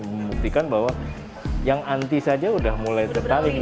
membuktikan bahwa yang anti saja sudah mulai tertarik